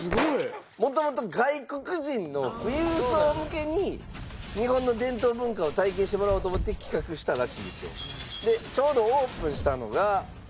元々外国人の富裕層向けに日本の伝統文化を体験してもらおうと思って企画したらしいんですよ。